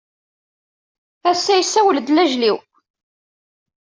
Ass-a yessawel-d lajel-iw.